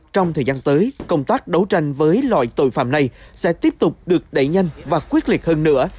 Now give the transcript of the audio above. trong thời gian tới công tác đấu tranh với loại tội phạm này sẽ tiếp tục được đẩy nhanh và quyết liệt hơn nữa